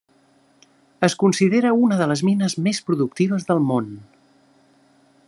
Es considera una de les mines més productives del món.